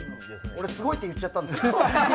おれ、すごい！って言っちゃったんですけど。